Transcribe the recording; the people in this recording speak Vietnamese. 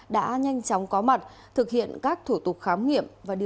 đã nhanh chóng có mặt thực hiện các thủ tục khám nghiệm